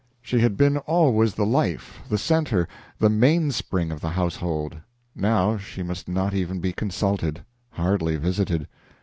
She had been always the life, the center, the mainspring of the household. Now she must not even be consulted hardly visited.